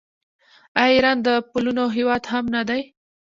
آیا ایران د پلونو هیواد هم نه دی؟